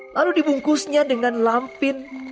lalu dibungkusnya dengan lampin